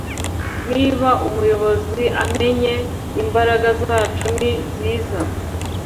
niba umuyobozi amenye imbaragazacu ni byiza